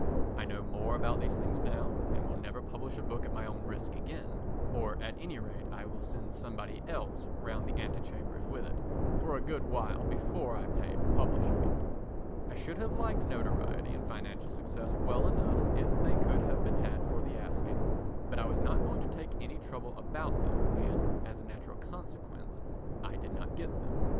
I know more about these things now, and will never publish a book at my own risk again, or at any rate I will send somebody else round the antechambers with it for a good while before I pay for publishing it. I should have liked notoriety and financial success well enough if they could have been had for the asking, but I was not going to take any trouble about them and, as a natural consequence, I did not get them.